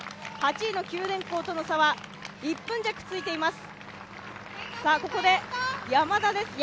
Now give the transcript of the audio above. ８位の九電工との差は１分弱ついています。